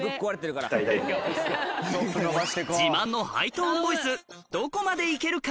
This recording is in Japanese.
自慢のハイトーンボイスどこまで行けるか？